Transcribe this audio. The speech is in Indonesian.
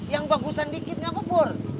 yang bagusan dikit nggak apa pur